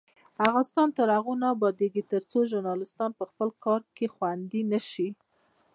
افغانستان تر هغو نه ابادیږي، ترڅو ژورنالیستان په خپل کار کې خوندي نشي.